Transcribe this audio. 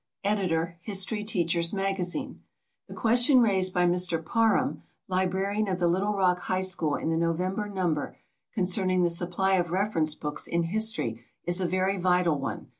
Editor HISTORY TEACHER'S MAGAZINE: The question raised by Mr. Parham, Librarian of the Little Rock High School in the November number, concerning the supply of reference books in history, is a very vital one.